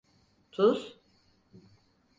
Tuz?